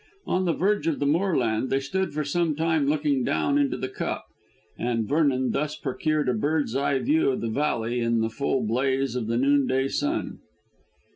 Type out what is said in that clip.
On the verge of the moorland they stood for some time looking down into the cup, and Vernon thus procured a bird's eye view of the valley in the full blaze of the noonday sun.